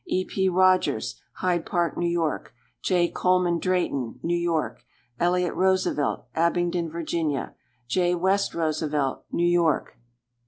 E. P. Rogers, Hyde Park, N. Y. J. Coleman Drayton, New York. Elliott Roosevelt, Abingdon, Va. J. West Roosevelt, New York.